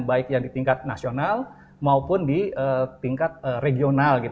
baik yang di tingkat nasional maupun di tingkat regional